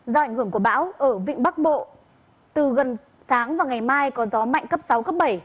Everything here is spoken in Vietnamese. do ảnh hưởng của bão ở vịnh bắc bộ từ gần sáng và ngày mai có gió mạnh cấp sáu cấp bảy